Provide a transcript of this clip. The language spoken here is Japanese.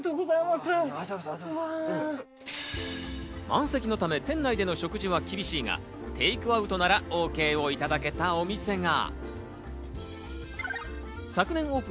満席のため、店内での食事は厳しいがテークアウトならＯＫをいただけたお店が。